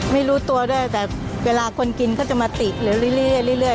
ไม่รู้ตัวได้แต่เวลาคนกินก็จะมาติ่หรือเรื่อย